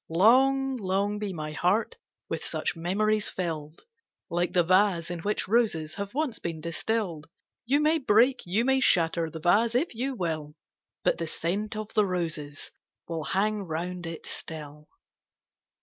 Long, long be my heart with such memories fill'd ! Like the vase, in which roses have once been distill'd — You may break, you may shatter the vase if you will, But the scent of the roses will hang round it still.